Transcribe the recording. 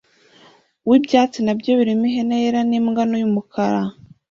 wibyatsi nabyo birimo ihene yera nimbwa nto yumukara